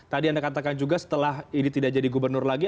tadi anda katakan juga setelah ini tidak jadi gubernur lagi